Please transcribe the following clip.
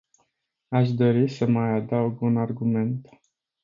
Aș dori să mai adaug un argument.